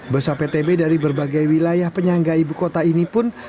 bus aptb dari berbagai wilayah penyangga ibu kota ini pun